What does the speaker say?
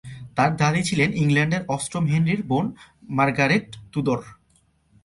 তার দাদী ছিলেন ইংল্যান্ডের অষ্টম হেনরির বোন মার্গারেট তুদর।